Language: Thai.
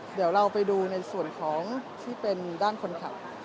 เดี๋ยวเราไปดูในส่วนของที่เป็นด้านคนขับ